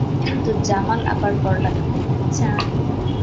কিন্তু জামাল আবার পড়ালেখা করতে চায়।